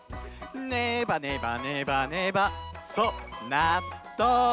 「ねばねばねばねば」そうなっとう！